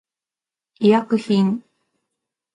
医薬品